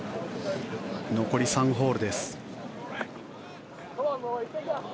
残り３ホールです。